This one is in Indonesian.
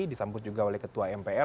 disambut juga oleh ketua mpr